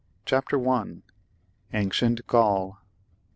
GHAPTEE I.. Ancient Gaul.